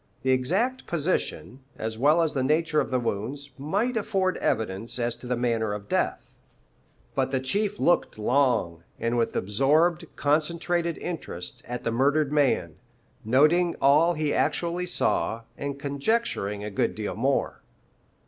The exact position, as well as the nature of the wounds, might afford evidence as to the manner of death. But the Chief looked long, and with absorbed, concentrated interest, at the murdered man, noting all he actually saw, and conjecturing a good deal more.